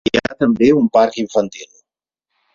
Hi ha també un parc infantil.